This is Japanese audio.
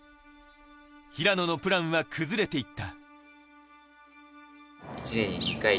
平野のプランは崩れていった。